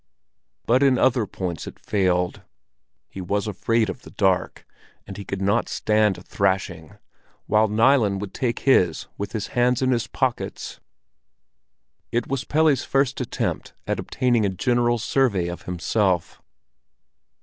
But in other points it failed. He was afraid of the dark, and he could not stand a thrashing, while Nilen could take his with his hands in his pockets. It was Pelle's first attempt at obtaining a general survey of himself.